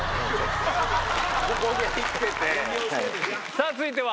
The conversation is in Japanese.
さぁ続いては。